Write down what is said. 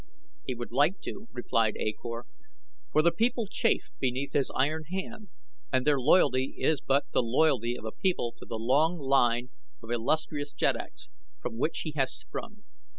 "He would like to," replied A Kor, "for the people chafe beneath his iron hand and their loyalty is but the loyalty of a people to the long line of illustrious jeddaks from which he has sprung.